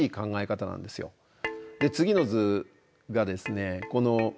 次の図がですね